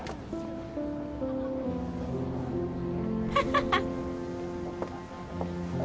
ハハハッ！